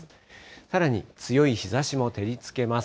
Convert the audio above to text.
さらに、強い日ざしも照りつけます。